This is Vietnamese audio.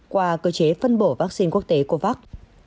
qua cơ chế phân bổ vaccine quốc tế covax